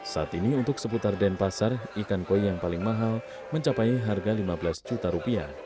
saat ini untuk seputar denpasar ikan koi yang paling mahal mencapai harga lima belas juta rupiah